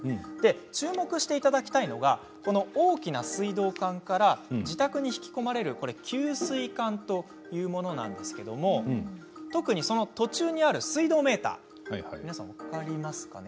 注目していただきたいのが大きな水道管から自宅に引き込まれる給水管というものなんですけれども特にその途中にある水道メーター皆さん分かりますかね